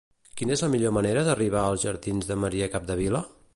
Quina és la millor manera d'arribar als jardins de Maria Capdevila?